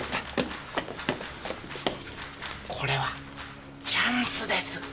これはチャンスです。